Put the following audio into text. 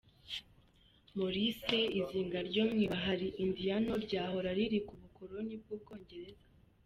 Maurice, izinga ryo mu ibahari Indiano, ryahora riri ku bukoroni bw'Ubwongereza.